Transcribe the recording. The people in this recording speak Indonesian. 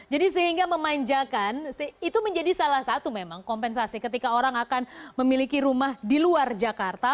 jadi sehingga memanjakan itu menjadi salah satu memang kompensasi ketika orang akan memiliki rumah di luar jakarta